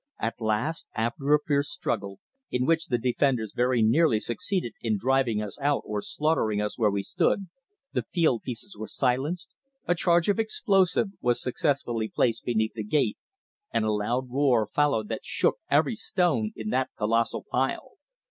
At last, after a fierce struggle, in which the defenders very nearly succeeded in driving us out or slaughtering us where we stood, the field pieces were silenced, a charge of explosive was successfully placed beneath the gate and a loud roar followed that shook every stone in that colossal pile.